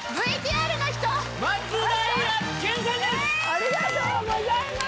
ありがとうございます！